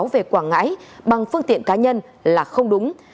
về quảng ngãi bằng phương tiện cá nhân là không đúng